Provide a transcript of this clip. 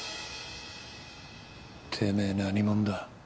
てめえ何もんだ。